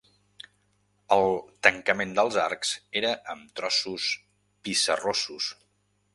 El tancament dels arcs era amb trossos pissarrosos.